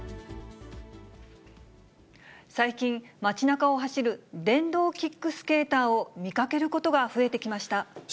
最近、街なかを走る電動キックスケーターを見かけることが増えてきまし